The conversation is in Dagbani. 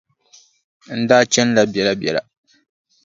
N daa chanila biɛlabiɛla.